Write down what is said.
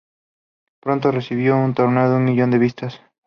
Pronto recibió en torno a un millón de visitas.